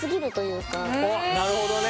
おっなるほどね。